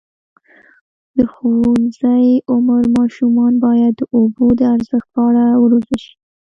د ښوونځي عمر ماشومان باید د اوبو د ارزښت په اړه وروزل شي.